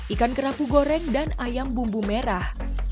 ikan kerapu goreng dan ayam bumbu merah